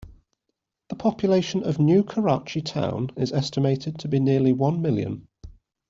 The population of New Karachi Town is estimated to be nearly one million.